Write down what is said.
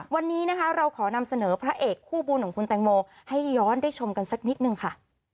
วันนี้นะคะเราขอนำเสนอพระเอกคู่บุญของคุณแตงโมให้ย้อนได้ชมกันสักนิดนึงค่ะ